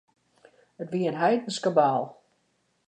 It wie in heidensk kabaal.